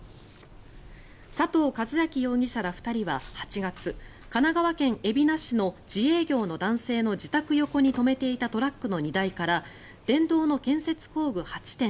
佐藤一昭容疑者ら２人は８月神奈川県海老名市の自営業の男性の自宅横に止めていたトラックの荷台から電動の建設工具８点